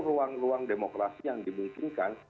ruang ruang demokrasi yang dimungkinkan